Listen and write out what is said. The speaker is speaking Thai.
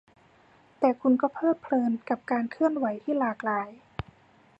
แต่คุณก็เพลิดเพลินกับการเคลื่อนไหวที่หลากหลาย